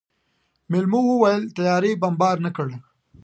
مېلمو وويل طيارې بمبارد نه کړ.